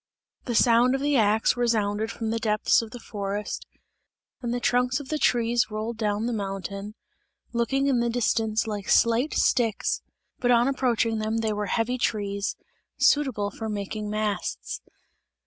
The sound of the axe resounded from the depths of the forest, and the trunks of the trees rolled down the mountain, looking in the distance like slight sticks, but on approaching them they were heavy trees, suitable for making masts.